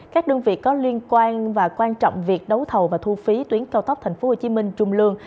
các đơn vị có liên quan và quan trọng việc đấu thầu và thu phí tuyến cao tốc tp hcm trung lương